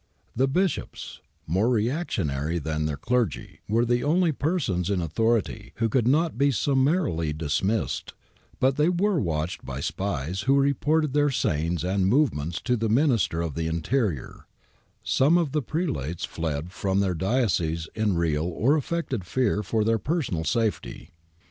The bishops, more re actionary than their clergy, were the only persons in authority who could not be summarily dismissed, but they were watched by spies who reported their sayings and movements to the Minister of the Interior : some of the prelates fled from their dioceses in real or affected fear for their personal safety.